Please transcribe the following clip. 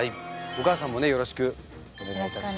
お母さんもねよろしくお願いします。